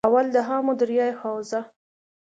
اول- دآمو دریا حوزه